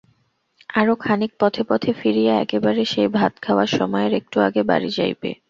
আরও খানিক পথে পথে ফিরিয়া একেবারে সেই ভাত খাওয়ার সময়ের একটু আগে বাড়ি যাইবে।